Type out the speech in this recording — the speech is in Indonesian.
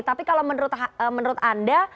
tapi kalau menurut anda